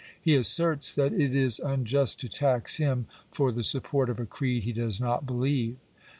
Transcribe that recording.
He asserts that it is unjust to tax him for the support of a creed he does not believe.